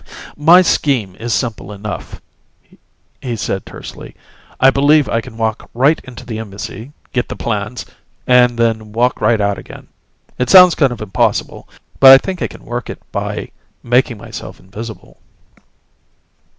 "My scheme is simple enough," he said tersely. "I believe I can walk right into the Embassy, get the plans and then walk right out again. It sounds kind of impossible, but I think I can work it by making myself invisible."